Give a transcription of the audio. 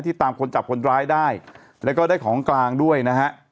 ตามคนจับคนร้ายได้แล้วก็ได้ของกลางด้วยนะฮะ